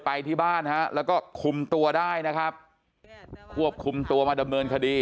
ไปที่บ้านฮะแล้วก็คุมตัวได้นะครับควบคุมตัวมาดำเนินคดี